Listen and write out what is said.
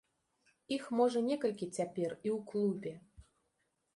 Іх можа некалькі цяпер і ў клубе.